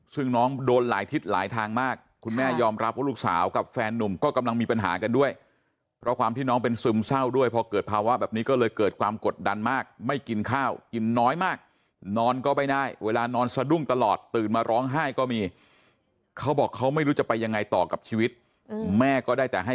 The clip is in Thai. ซึ่งน้องโดนหลายทิศหลายทางมากคุณแม่ยอมรับว่าลูกสาวกับแฟนนุ่มก็กำลังมีปัญหากันด้วยเพราะความที่น้องเป็นซึมเศร้าด้วยพอเกิดภาวะแบบนี้ก็เลยเกิดความกดดันมากไม่กินข้าวกินน้อยมากนอนก็ไม่ได้เวลานอนสะดุ้งตลอดตื่นมาร้องไห้ก็มีเขาบอกเขาไม่รู้จะไปยังไงต่อกับชีวิตแม่ก็ได้แต่ให้